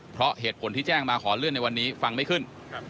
เพราะเหตุผลที่แจ้งมาขอเลื่อนในวันนี้ฟังไม่ขึ้น